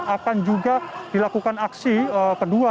akan juga dilakukan aksi kedua